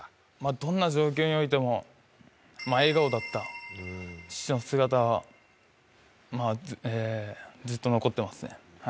どんな状況においても笑顔だった、父の姿は、ずっと残ってますね。